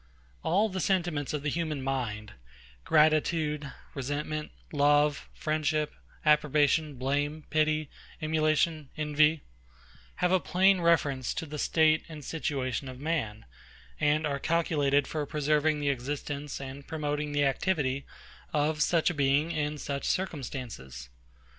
All the sentiments of the human mind, gratitude, resentment, love, friendship, approbation, blame, pity, emulation, envy, have a plain reference to the state and situation of man, and are calculated for preserving the existence and promoting the activity of such a being in such circumstances.